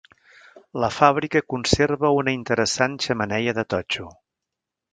La fàbrica conserva una interessant xemeneia de totxo.